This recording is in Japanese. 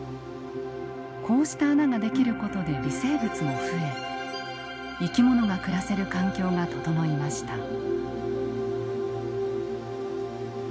こうした穴が出来ることで微生物も増え生き物が暮らせる環境が整いました。